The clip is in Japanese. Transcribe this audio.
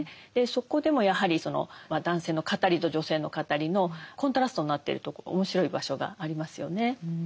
そこでもやはりその男性の語りと女性の語りのコントラストになっているところ面白い場所がありますよね。